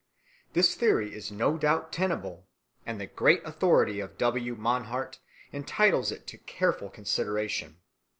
This theory is no doubt tenable, and the great authority of W. Mannhardt entitles it to careful consideration.